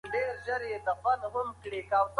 دا غږ د ژوند د مانا تر ټولو غوره تعریف و.